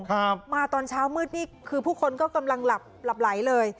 ครับมาตอนเช้ามืดนี่คือผู้คนก็กำลังหลับหลับไหลเลย